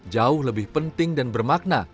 jauh lebih penting dan bermakna